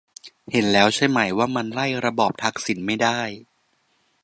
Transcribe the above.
เห็นแล้วใช่ไหมว่ามันไล่ระบอบทักษิณไม่ได้